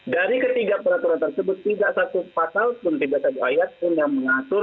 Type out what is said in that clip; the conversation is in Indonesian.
dari ketiga peraturan tersebut tidak satu sepatal pun tiga tiga ayat pun yang mengatur